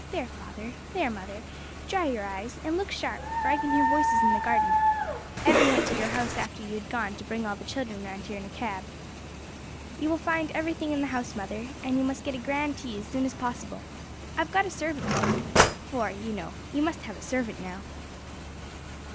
There, father, there, mother, dry your eyes, and look sharp, for I can hear voices in the garden. Evan went to your house after you had gone to bring all the children round here in a cab. "You will find everything in the house, mother, and you must get a grand tea as soon as possible. I have got a servant for you for, you know, you must have a servant now."